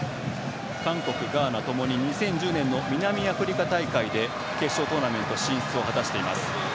韓国、ガーナともに２０１０年の南アフリカ大会で決勝トーナメント進出を果たしています。